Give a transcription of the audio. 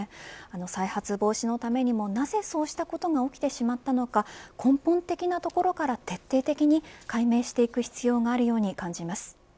再発防止のためにもなぜ、そうしたことが起きてしまったのか根本的なところから徹底的に解明していく必要があるように感じます。